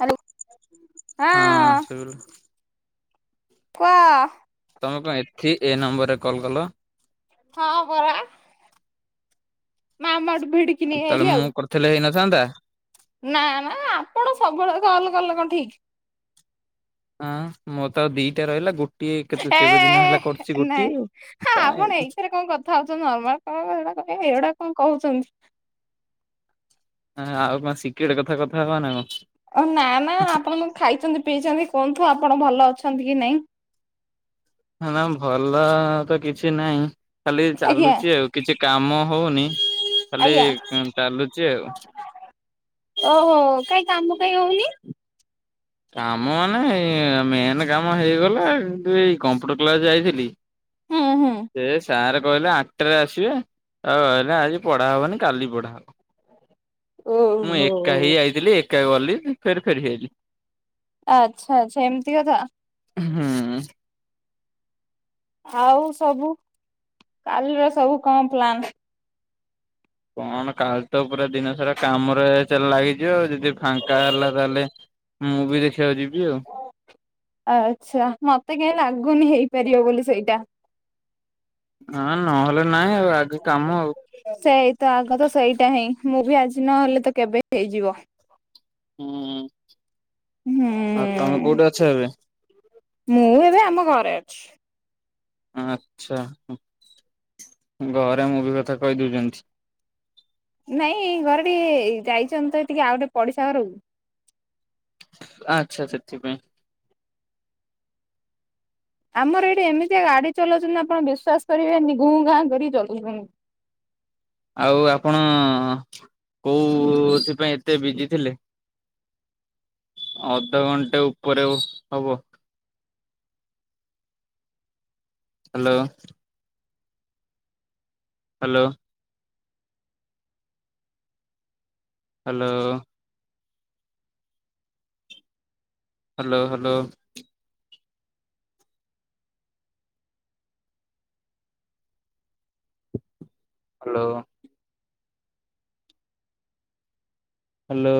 Hello. ହଁ ସୁ କୁହ? ତମେ କଣ ଏଠି ଏ ନମ୍ବରେ କଲ୍ କଲ। ହଁ ପରା। [inaudible] ଉ ତାହେଲେ ଆଉ। ମୁଁ କରିଥିଲେ ହେଇନଥାନ୍ତା। ନା ନା ଆପଣ ସବେଳେ କଲ କଲେ କଣ ଠିକ? ଉଁ ମୋରତ ଆଉ ଦିଟା ରହିଲା ଗୋ ଏଇ କେତେ ଏ କେବେ ଦିନ ହେଲା କରୁଛି ଗୋଟିଏ ତମେ? ଥାଉ ଥାଉ ସବୁ ନର୍ମାଲ [inaudible] ଏଗୁଡା କଣ କହୁଛନ୍ତି? ମାନେ ଆଉ କଁ ସିକ୍ରେଟ୍ କଥା କଥା ହବା ନା କଣ? ଓ ନା ନା ଆପଣ କଣ ଖାଇଛନ୍ତି ପିଇଛନ୍ତି କୁହନ୍ତୁ ଆପଣ ଭଲ ଅଛନ୍ତି କି ନାଇଁ? ନା ମୁଁ ଭଲ ତ କିଛି ନାହିଁ ଖାଲି ଆଜ୍ଞା ଚାଲୁଛି ଆଉ କିଛି କାମ ହଉନି ଖାଲି ଆଜ୍ଞା ଚାଲୁଛି ଆଉ ଓହୋ କାଇ କାମ କାଇ ହଉନି? କାମ ମାନେ ଏଇ ମେନ୍ କାମ ହେଇଗଲା କିନ୍ତୁ ଏଇ କମ୍ପ୍ୟୁଟର କ୍ଲାସ ଯାଇଥିଲି। ହୁଁ ହୁଁ। ସେ ସାରେ କଇଲା ଆଟାରେ ଆସିବେ ଆଉ ଐରା ଆଜି ପଢା ହବନି କାଲି ପଢା ହବ। ମୁଁ ଓହୋ ଏକା ହେଇ ଆଇଥିଲି ଏକା ଗଲି ଫେର୍ ଫେରି ଆଇଲି। ଆଚ୍ଛା ଆଚ୍ଛା ଏମିତି କଥା। ହୁଁ। ଆଉ ସବୁ କାଲିର ସବୁ କଣ ପ୍ଲାନ? କଣ କାଲି ତ ପୁରା ଦିନ ସାରା କାମରେ ଚାଲ ଲାଗିଯିବ ଆଉ ଯଦି ଫାଙ୍କା ହେଲା ତାହାଲେ ମୁଁ ବି ଦେଖିବାକୁ ଯିବି ଆଉ ଆଛା ମତେ କାଇଁ ଲାଗୁନି ହେଇପାରିବ ବୋଲି ସେଇଟା। ଆଁ ନହେଲେ ନାଇଁ ଆଉ ଆଗେ କାମ ଆଉ ସେଇ ତ ଆଗ ତ ସେଇଟା ହିଁ ମୁଁ ବି ଆଜି ନହେଲେ ତ କେବେ ହେଇଯିବ? ହୁଁ ହୁଁ ଆଉ ତମେ କୋଉଠି ଅଛ ଏବେ? ମୁଁ ଏବେ ଆମ ଘରେ ଅଛି। ଆଚ୍ଛା ତାଙ୍କ ଘରେ ମୁଭି କଥା କହିଦଉଛନ୍ତି। ନାଇଁ ଘରେ ଟିକେ ଯାଇଚନ୍ତି ତ ଟିକେ ଆଉ ଗୋଟେ ପଡିଶା ଘରକୁ। ଆଚ୍ଛା ସେଥିପାଇଁ। ଆମର ଏଇଠି ଏମିତିଆ ଗାଡି ଚଲାଉଛନ୍ତି ଆପଣ ବିଶ୍ୱାସ କରିବେନି ଘୁଁ ଘାଁ କରିକି ଚଲଉଛନ୍ତି। ଆଉ ଆପଣ କୋଉଥିପାଇଁ ଏତେ ବିଜି ଥିଲେ? ଅଧଘଣ୍ଟେ ଉପରେ ହବ। Hello. Hello. Hello. Hello hello. Hello. Hello.